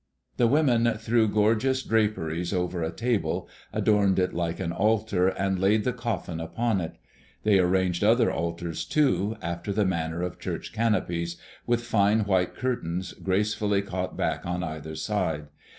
The women threw gorgeous draperies over a table, adorned it like an altar, and laid the coffin upon it. They arranged other altars, too, after the manner of church canopies, with fine white curtains, gracefully caught back on either side.